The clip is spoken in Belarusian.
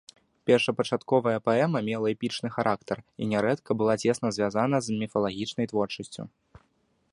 Першапачатковая паэма мела эпічны характар і нярэдка была цесна звязана з міфалагічнай творчасцю.